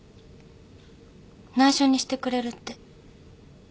ないしょにしてくれるって。